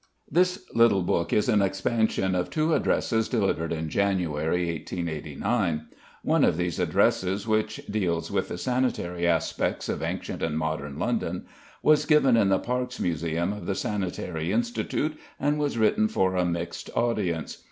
This little book is an expansion of two addresses delivered in January, 1889. One of these addresses, which deals with the Sanitary Aspects of Ancient and Modern London, was given in the Parkes Museum of the Sanitary Institute, and was written for a mixed audience.